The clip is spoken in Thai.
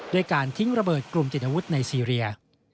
ด้วยการทิ้งระเบิดกลุ่มติดอาวุธในซีเรีย